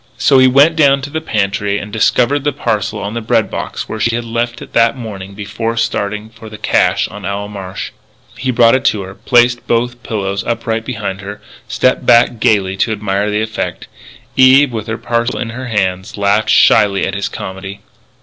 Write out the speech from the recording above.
So he went down to the pantry and discovered the parcel on the bread box where she had left it that morning before starting for the cache on Owl Marsh. He brought it to her, placed both pillows upright behind her, stepped back gaily to admire the effect. Eve, with her parcel in her hands, laughed shyly at his comedy.